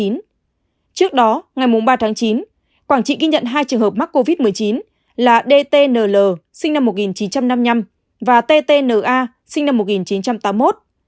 trước đó ngày ba tháng chín quảng trị ghi nhận hai trường hợp mắc covid một mươi chín là dtn l sinh năm một nghìn chín trăm năm mươi năm và ttna sinh năm một nghìn chín trăm tám mươi một